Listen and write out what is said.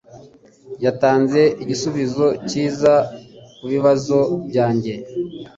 Yatanze igisubizo cyiza kubibazo byanjye.